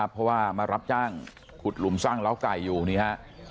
เพราะว่ามารับจ้างขุดหลุมสร้างเล้าไก่อยู่นี่ฮะ